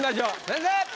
先生！